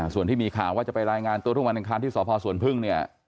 ส่วนที่มีข่าวว่าจะไปรายงานตัวทุกวันอังคารที่สพสวนพึ่งเนี่ย